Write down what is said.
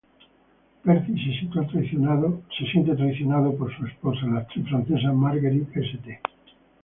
Percy se siente traicionado por su esposa, la actriz francesa Marguerite St.